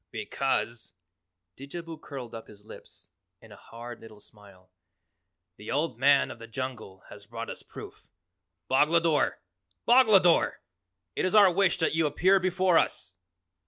"Because," Didjabo curled up his lips in a hard little smile, "the Old Man of the Jungle has brought us proof. Boglodore! BOGLODORE! It is our wish that you appear before us."